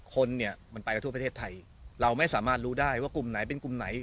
คนเนี่ยมันไปกันทั่วประเทศไทยเราไม่สามารถรู้ได้ว่ากลุ่มไหนเป็นกลุ่มไหน